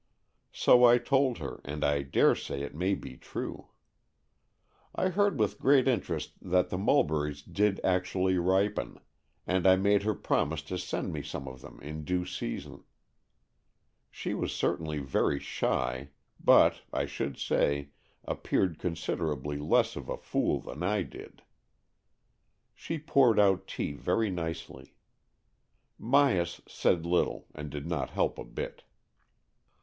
So I told her, and I dare say it may be true. I AN EXCHANGE OF SOULS 59 heard with great interest that the mulberries did actually ripen, and I made her promise to send me some of them in due season. She was certainly very shy, but, I should say, appeared considerably less of a fool than I did. She poured out tea very nicely. Myas said little, and did not help a bit.